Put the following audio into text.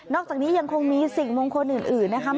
อกจากนี้ยังคงมีสิ่งมงคลอื่นนะคะ